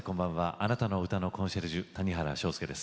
あなたの歌のコンシェルジュ谷原章介です。